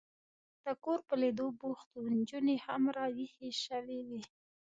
د کور په لیدو بوخت و، نجونې هم را وېښې شوې وې.